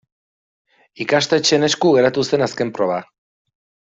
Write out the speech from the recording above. Ikastetxeen esku geratu zen azken proba.